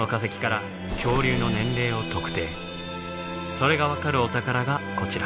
それが分かるお宝がこちら。